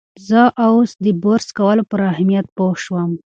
زه اوس د برس کولو پر اهمیت پوه شوم.